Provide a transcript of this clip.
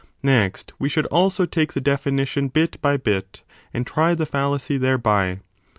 Next we should also take the definition bit by bit, and try the fallacy thereby.